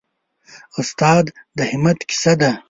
استاد د همت کیسه ده.